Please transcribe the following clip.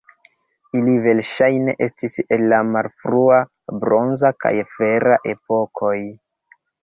Ili verŝajne estis el la malfrua bronza kaj fera epokoj.